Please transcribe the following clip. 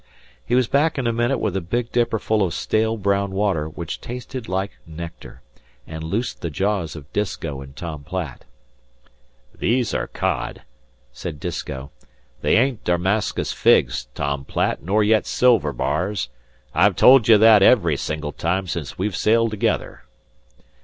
He was back in a minute with a big dipperful of stale brown water which tasted like nectar, and loosed the jaws of Disko and Tom Platt. "These are cod," said Disko. "They ain't Damarskus figs, Tom Platt, nor yet silver bars. I've told you that ever single time since we've sailed together."